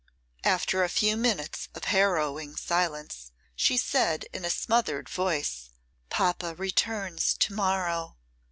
After a few minutes of harrowing silence, she said in a smothered voice, 'Papa returns to morrow.